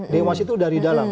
dewas itu dari dalam